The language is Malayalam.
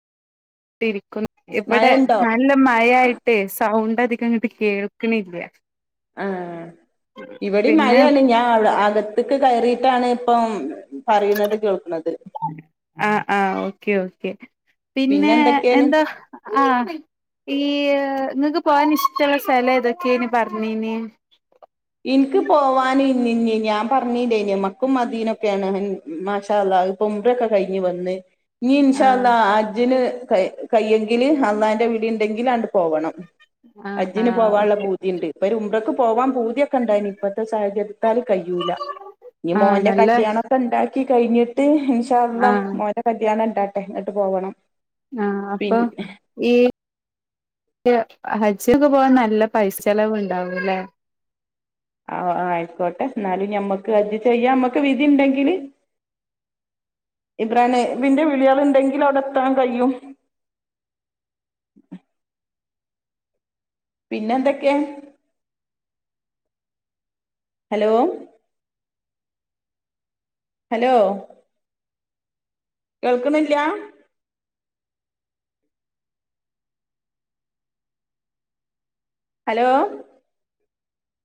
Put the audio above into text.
ടിരിക്കുന്നു ഇവിടെ മഴണ്ടോ നല്ല മയായിട്ടേ സൗണ്ട് അധികം ങ്ങട്ട് കേൾക്കണില്ല ആഹ് ഇവിടേം പിന്നെ മഴയാണ് ഞാൻ അവ് അകത്ത്ക്ക് കയറിട്ടാണ് ഇപ്പം പറീണത് കേൾക് ണത് ആഹ് ആഹ് ഓക്കെ ഓക്കെ പിന്നെ എന്താ ആഹ് ഈ ങ്ങക്ക് പോകാൻ ഇഷ്ടള്ള സ്ഥലം ഏതൊക്കെനി പറഞ്ഞീനി ഇൻക്ക് പോവാന് ഇന്ന് ഇന്ന് ഞാൻ പറഞ്ഞീല്ലേനോ മക്കും മദീനൊക്കെയാണ് മാഷാ അള്ളാ പ്പോ ഉംറയൊക്കെ കയിഞ് വന്ന് നി ആഹ് ഇൻഷാഅള്ളാ അജ്ജ്ന് കയ്യെങ്കില് അള്ളാന്റെ വീളി ണ്ടങ്കിൽ ആണ്ട് പോകണം ആഹ് അജ്ജിന് ആഹ് പോവാൻള്ള ഓക്കെ പൂതിണ്ട് ഇപ്പൊ ഒരു ഉമ്റക്ക് പോവാൻ പൂതിയൊക്ക കണ്ടായിനി ഇപ്പത്തെ സാഹചര്യത്താൽ കഴിയൂല്ല ഇനി ആഹ് മോന്റെ നല്ല കല്യാണം ഇപ്പ ണ്ടാക്കി കഴിഞ്ഞിട്ട് ഇൻഷാ അള്ളാ ആഹ് മോന്റെ കല്യാണം ഇണ്ടാട്ടെ എന്നിട്ട് പോകണം ആഹ് അപ്പൊ ഈ ഹജ്ജൊക്കെ പോവാൻ നല്ല പൈസ ചെലവ് ഉണ്ടാവൂല്ലേ ആഹ് അയിക്കോട്ടെ എന്നാലും ഞമ്മക്ക് അജജ് ചെയ്യാൻ നമ്മക്ക് വിധി ഉണ്ടെങ്കില് ഇബ്രാഹിം നബിന്റെ വിളിയള് ണ്ടങ്കിൽ അവിടെ എത്താൻ കഴിയും പിന്നെ ന്തൊക്കെയാ ഹലോ ഹലോ കേൾക്ണില്ലാ ഹലോ